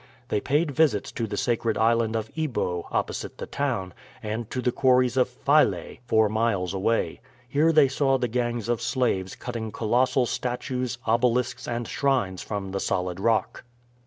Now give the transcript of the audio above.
They paid visits to the sacred island of Ebo opposite the town, and to the quarries of Phile, four miles away. Here they saw the gangs of slaves cutting colossal statues, obelisks, and shrines from the solid rock.